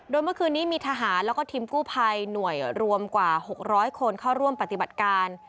โดยเมื่อคืนนี้มีทหารแล้วก็ทีมกู้ภัยหน่วยรวมกว่า๖๐๐คนเข้าร่วมปฏิบัติการ